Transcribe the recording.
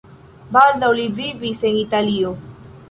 Baldaŭ li vivis en Italio.